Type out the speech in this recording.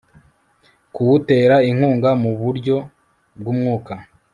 kuwutera inkunga mu buryo bw umwuka